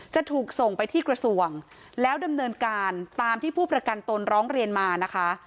จะถูกส่งไปที่กระทรวงแล้วดำเนินการตามที่ผู้ประกันตนร้องเรียนมานะคะ